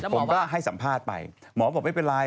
ผมก็ให้สัมภาษณ์ไปหมอบอกไม่เป็นไร